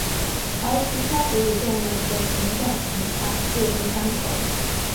而其他哺乳动物则形状形态各不相同。